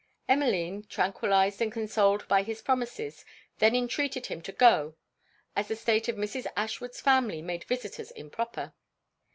Emmeline, tranquillized and consoled by his promises, then entreated him to go; as the state of Mrs. Ashwood's family made visitors improper.